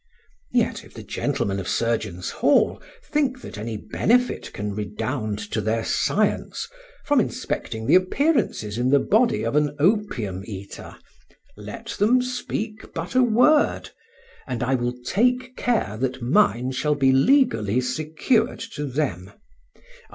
Yet if the gentlemen of Surgeons' Hall think that any benefit can redound to their science from inspecting the appearances in the body of an opium eater, let them speak but a word, and I will take care that mine shall be legally secured to them—i.